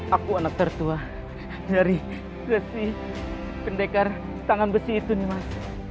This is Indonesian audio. aku anak tertua dari besi pendekar tangan besi itu nih mas